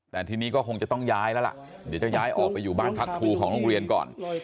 แต่ทีนี้ก็คงจะต้องย้ายแล้วล่ะเดี๋ยวจะย้ายออกไปอยู่บ้านพักครูของโรงเรียนก่อน